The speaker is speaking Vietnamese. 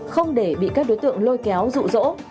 không để bị các đối tượng lôi kéo rụ rỗ